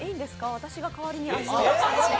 私が代わりに味を。